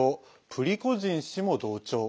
プリゴジン氏も同調。